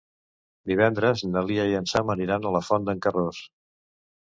Divendres na Lia i en Sam aniran a la Font d'en Carròs.